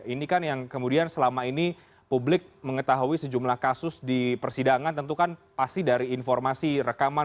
ini kan yang kemudian selama ini publik mengetahui sejumlah kasus di persidangan tentu kan pasti dari informasi rekaman